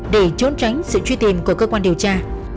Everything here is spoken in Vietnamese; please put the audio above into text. để trốn tránh sự truy tìm của cơ quan điều tra